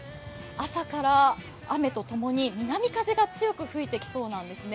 朝から雨とともに南風が強く吹いてきそうです。